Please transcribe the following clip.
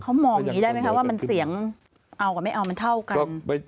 เขามองอย่างนี้ได้ไหมคะว่ามันเสียงเอากับไม่เอามันเท่ากัน